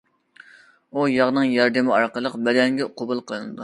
ئۇ ياغنىڭ ياردىمى ئارقىلىق بەدەنگە قوبۇل قىلىنىدۇ.